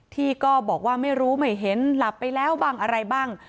ที่ก็บอกว่าไม่รู้ไม่เห็นหลับไปแล้วบ้างอะไรบ้าง